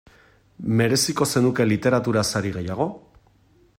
Mereziko zenuke literatura sari gehiago?